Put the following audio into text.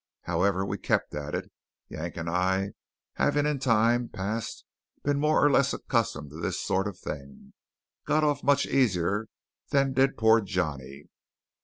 However, we kept at it. Yank and I, having in times past been more or less accustomed to this sort of thing, got off much easier than did poor Johnny.